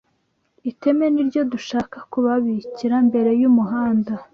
Iteme niryo dushaka kububakira mbere y’umuhanda